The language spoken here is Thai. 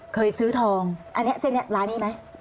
เคยซื้อทองอันนี้ร้านนี้ไหม